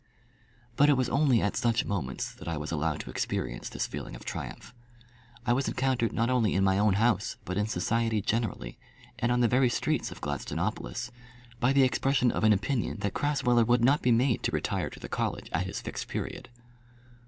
But it was only at such moments that I was allowed to experience this feeling of triumph. I was encountered not only in my own house but in society generally, and on the very streets of Gladstonopolis, by the expression of an opinion that Crasweller would not be made to retire to the college at his Fixed Period.